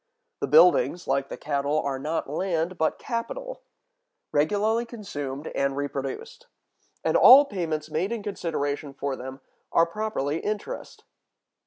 The buildings, like the cattle, are not land, but capital, regularly consumed and reproduced; and all payments made in consideration for them are properly interest.